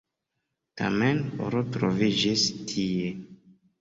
Tamen oro troviĝis tie.